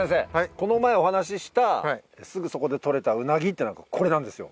この前お話ししたすぐそこで捕れたウナギっていうのがこれなんですよ。